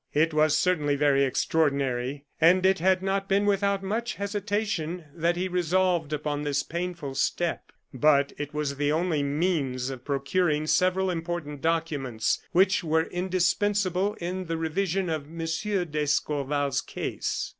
It was certainly very extraordinary; and it had not been without much hesitation that he resolved upon this painful step. But it was the only means of procuring several important documents which were indispensable in the revision of M. d'Escorval's case.